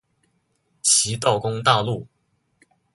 齐悼公大怒。